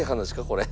これ。